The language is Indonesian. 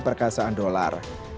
mengung keperkasaan dolar